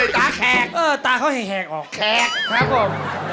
ตาแขกตาเขาแห่งอ๋อแขกครับผม